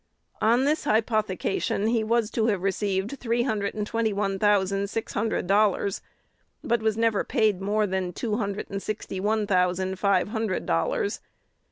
On this hypothecation he was to have received three hundred and twenty one thousand six hundred dollars, but was never paid more than two hundred and sixty one thousand five hundred dollars.